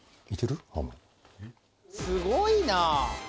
すごいな。